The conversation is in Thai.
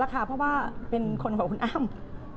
เพราะว่าเป็นคนของคุณอ้ำ